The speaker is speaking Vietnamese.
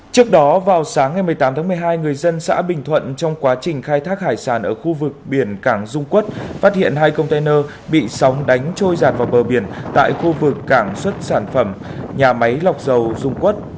trước đó vào sáng ngày một mươi tám tháng một mươi hai người dân xã bình thuận trong quá trình khai thác hải sản ở khu vực biển cảng dung quốc phát hiện hai container bị sóng đánh trôi giạt vào bờ biển tại khu vực cảng xuất sản phẩm nhà máy lọc dầu dung quất